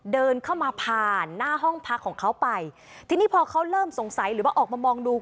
เดินเข้ามาผ่านหน้าห้องพักของเขาไปทีนี้พอเขาเริ่มสงสัยหรือว่าออกมามองดู